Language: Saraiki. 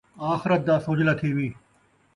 آخرت دا سوجھلا تھیوی